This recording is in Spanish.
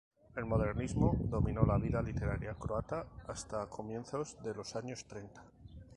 El modernismo dominó la vida literaria croata hasta comienzos de los años treinta.